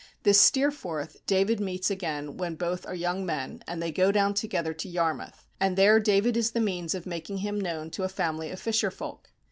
This Steerforth, David meets again when both are young men, and they go down together to Yarmouth, and there David is the means of making him known to a family of fisherfolk.